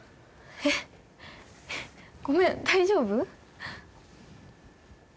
えっごめん大丈夫？